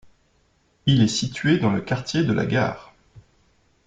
Il est situé dans le quartier de la Gare.